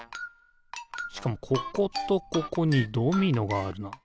しかもこことここにドミノがあるな。